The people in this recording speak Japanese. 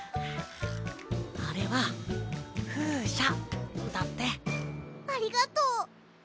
あれは「ふうしゃ」だって。ありがとう！